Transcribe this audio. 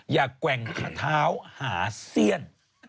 อย่าแกว่งหาเท้าหาเสี้ยน